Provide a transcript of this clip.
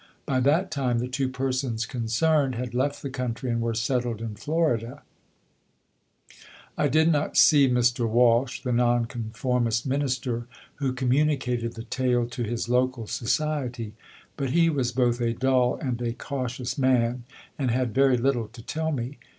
By that time the two persons concerned had left the country and were settled in Florida. I did see Mr. Walsh, the Nonconformist Minister who communicated the tale to his local society, but he was both a dull and a cautious man, and had very little to tell me.